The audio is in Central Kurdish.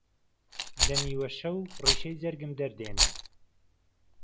لە نیوە شەو ڕیشەی جەرگم دەردێنێ